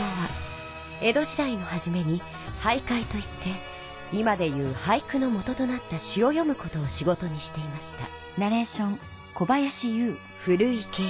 江戸時代のはじめに俳諧といって今で言う俳句のもととなったしをよむことをしごとにしていました。